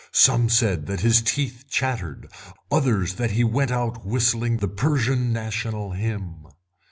Some said that his teeth chattered, others that he went out whistling the Persian National Hymn.